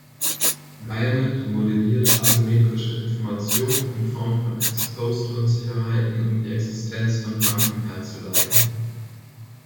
Diamond modelliert asymmetrische Information in Form von Ex-post-Unsicherheit, um die Existenz von Banken herzuleiten.